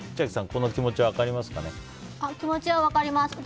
この気持ち分かりますか。